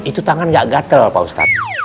itu tangan gak gatel pak ustadz